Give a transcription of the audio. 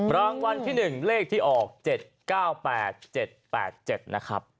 รางวัลที่๑เลขที่ออก๗๙๘๗๘๗นะครับ